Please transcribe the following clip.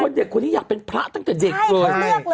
เด็กคนนี้อยากเป็นพระตั้งแต่เด็กเลย